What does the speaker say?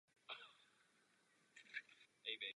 Tento sezónní návrh má mou plnou podporu.